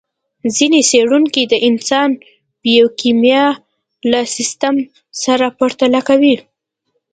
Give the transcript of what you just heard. ځينې څېړونکي د انسان بیوکیمیا له سیستم سره پرتله کوي.